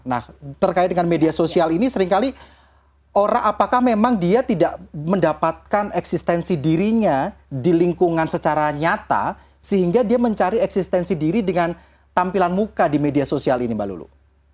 nah terkait dengan media sosial ini seringkali orang apakah memang dia tidak mendapatkan eksistensi dirinya di lingkungan secara nyata sehingga dia mencari eksistensi diri dengan tampilan muka di media sosial ini mbak lulu